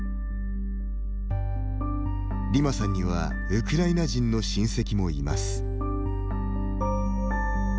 ディマさんにはウクライナ人の親戚もいます。